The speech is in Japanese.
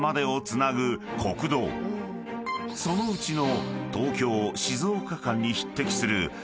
［そのうちの］